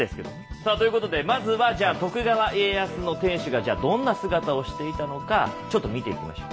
さあということでまずはじゃあ徳川家康の天守がどんな姿をしていたのかちょっと見ていきましょう。